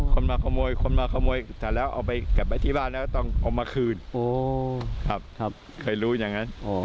คนมาขโมยคนมาขโมยถัดแล้วเอาไปกลับไปที่บ้านแล้วก็ต้องออกมาคืน